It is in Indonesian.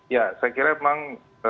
ya saya kira memang